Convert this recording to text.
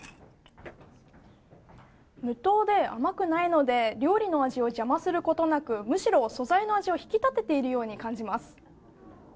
無糖で甘くないので料理の味を邪魔することなく、むしろ素材の味を引き立てているように感じます。